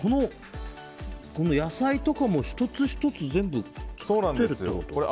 この野菜とかも１つ１つ全部作ってるってこと？